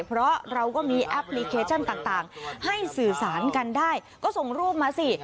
เพราะเราก็มีแอปพลิเคชันต่างให้สื่อสารกันได้ก็ส่งรูปมาสิ